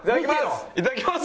「いただきます！」。